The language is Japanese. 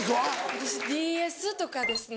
私ＤＳとかですね。